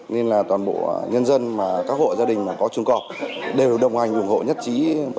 nên là toàn bộ nhân dân mà các hộ gia đình mà có chuồng cọp đều đồng hành ủng hộ nhất trí một trăm linh